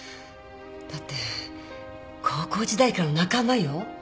だって高校時代からの仲間よ。